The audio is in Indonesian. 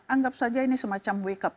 anggap saja ini semacam wake up